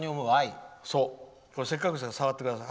せっかくですから触ってください。